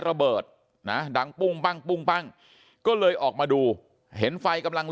ระเบิดนะดังปุ้งปั้งปุ้งปั้งก็เลยออกมาดูเห็นไฟกำลัง